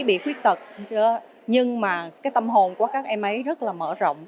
bị khuyết tật nhưng mà cái tâm hồn của các em ấy rất là mở rộng